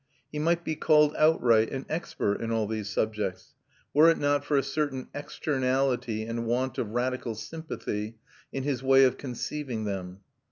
He might be called outright an expert in all these subjects, were it not for a certain externality and want of radical sympathy in his way of conceiving them.